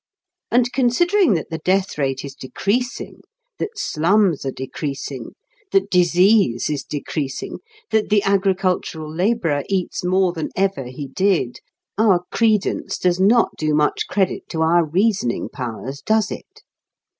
And considering that the death rate is decreasing, that slums are decreasing, that disease is decreasing, that the agricultural labourer eats more than ever he did, our credence does not do much credit to our reasoning powers, does it?